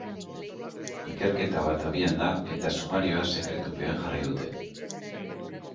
Ikerketa bat abian da eta sumarioa sekretupean jarri dute.